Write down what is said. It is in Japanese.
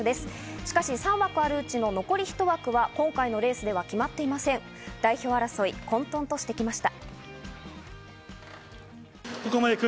しかし３枠あるうちの残り１枠は今回のレースでは決まっていません、代表争い、混沌としてきました。